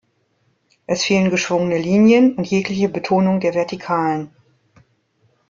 Es fehlen geschwungene Linien und jegliche Betonung der Vertikalen.